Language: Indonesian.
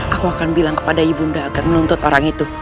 aku akan bilang kepada ibu nda agar menuntut orang itu